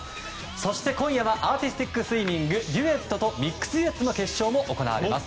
そして、今夜はアーティスティックスイミングデュエットとミックスデュエットの決勝も行われます。